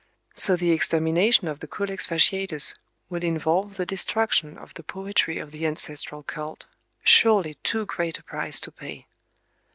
So the extermination of the Culex fasciatus would involve the destruction of the poetry of the ancestral cult,—surely too great a price to pay!...